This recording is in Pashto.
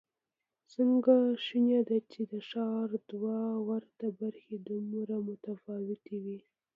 څنګه شونې ده چې د ښار دوه ورته برخې دومره متفاوتې وي؟